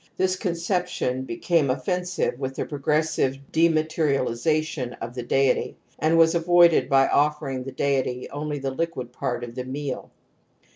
This conception became offensive with the progressive dema terialization of the deity, and was avoided by offering the deity only the liquid part of the meal.